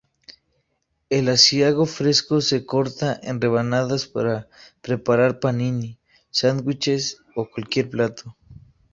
El Asiago fresco se corta en rebanadas para preparar panini, sándwiches o cualquier plato.